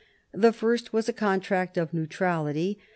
The first was a contract of neutrality.